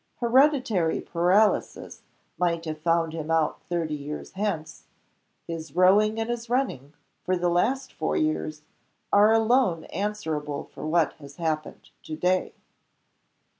Hereditary paralysis might have found him out thirty years hence. His rowing and his running, for the last four years, are alone answerable for what has happened to day."